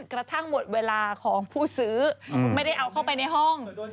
กระทั่งหมดเวลาของผู้ซื้อไม่ได้เอาเข้าไปในห้อง